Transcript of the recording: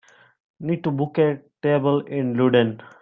need to book a table in Ludden